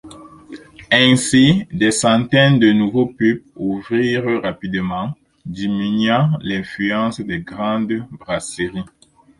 Ainsi des centaines de nouveaux pubs ouvrirent rapidement diminuant l'influence des grandes brasseries.